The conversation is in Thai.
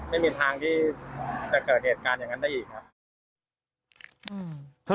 ไม่มีทางที่จะเกิดเหตุการณ์อย่างนั้นได้อีกครับ